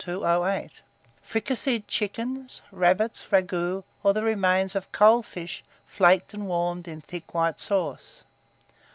1208, fricasseed chickens, rabbits, ragouts, or the remains of cold fish, flaked and warmed in thick white sauce.